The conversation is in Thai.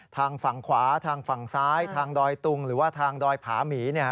ทางฝั่งขวาทางฝั่งซ้ายทางดอยตุงหรือว่าทางดอยผาหมีเนี่ย